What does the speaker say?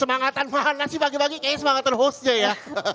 semangatan mahal nasib baik baik kayaknya semangatan hostnya ya